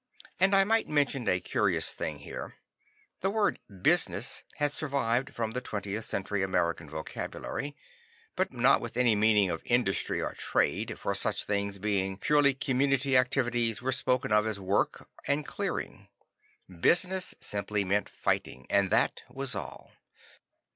(And I might mention a curious thing here. The word "business" had survived from the 20th Century American vocabulary, but not with any meaning of "industry" or "trade," for such things being purely community activities were spoken of as "work" and "clearing." Business simply meant fighting, and that was all.)